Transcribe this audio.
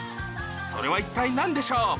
それは一体何でしょう？